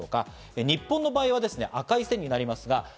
日本の場合は赤い線になります。